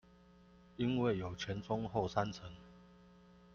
因為有前、中、後三層